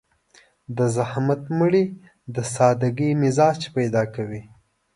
د زحمت مړۍ د سادهګي مزاج پيدا کوي.